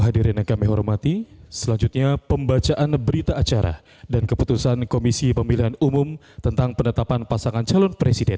wa rahmatullahi wa barakatuh